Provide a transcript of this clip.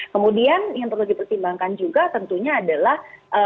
kemudian yang perlu dipertimbangkan juga tentunya adalah